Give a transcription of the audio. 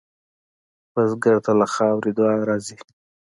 بزګر ته له خاورې دعا راځي